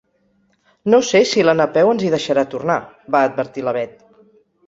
No sé si la Napeu ens hi deixarà tornar —va advertir la Bet—.